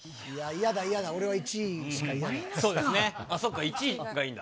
嫌だ、嫌だ、俺は１位しか嫌だ。